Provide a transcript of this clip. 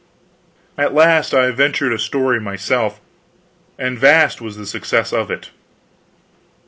At last I ventured a story myself; and vast was the success of it.